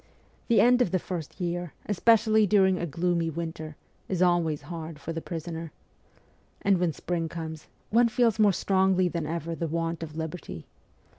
The end of the first year, especially during a gloomy winter, is always hard for the prisoner. And when spring comes, one feels more strongly than ever the want of liberty.